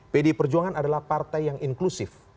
pdi perjuangan adalah partai yang inklusif